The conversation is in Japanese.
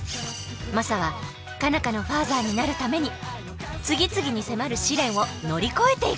マサは佳奈花のファーザーになるために次々に迫る試練を乗り越えていく。